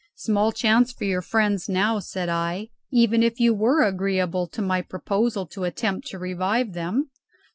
"Small chance for your friends now," said I, "even if you were agreeable to my proposal to attempt to revive them."